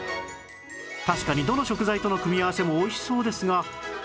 確かにどの食材との組み合わせもおいしそうですが